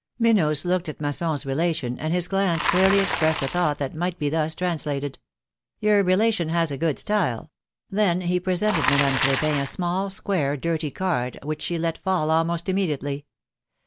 ^^ Minos looked at Masson's relation, and his glance clearly expressed a thought that might be thus translated : '^your relation has a good style!" then he presented Madame Crepin a small, square, dirty card, which she let fall almost immediately.